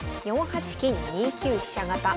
４八金・２九飛車型。